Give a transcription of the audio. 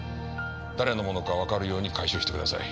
誰のものかわかるように回収してください。